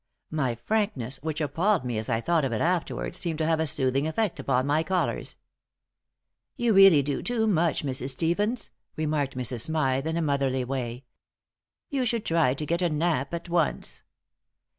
My frankness, which appalled me as I thought of it afterward, seemed to have a soothing effect upon my callers. "You really do too much, Mrs. Stevens," remarked Mrs. Smythe, in a motherly way. "You should try to get a nap at once."